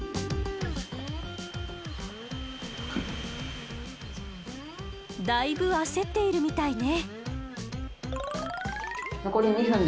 よいだいぶ焦っているみたいね。